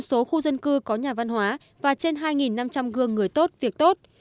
một số khu dân cư có nhà văn hóa và trên hai năm trăm linh gương người tốt việc tốt